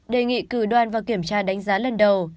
đề nghị cử đoàn vào kiểm tra đánh giá lần đầu